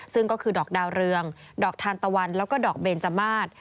ซึ่งก็คือดอกดาวเรืองดอกทานตะวันแล้วก็ดอกเบนจมาส